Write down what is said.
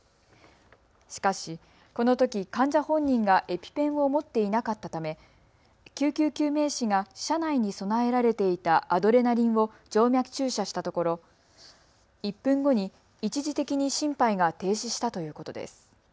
しかし、このとき患者本人がエピペンを持っていなかったため救急救命士が車内に備えられていたアドレナリンを静脈注射したところ１分後に一時的に心肺が停止したということです。